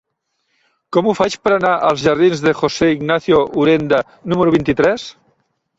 Com ho faig per anar als jardins de José Ignacio Urenda número vint-i-tres?